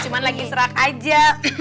cuma lagi serak aja